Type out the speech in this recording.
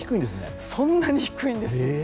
そんなに低いんですね！